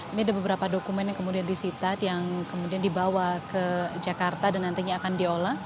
ini ada beberapa dokumen yang kemudian disitat yang kemudian dibawa ke jakarta dan nantinya akan diolah